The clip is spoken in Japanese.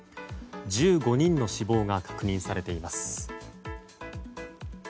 １５人の死亡が確認されています。